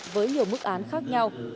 với nhiều mức án khác nhau